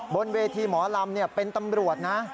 บนเวทีหมอลำเป็นตำรวจนะ